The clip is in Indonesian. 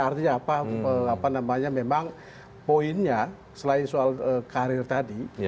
artinya memang poinnya selain soal karir tadi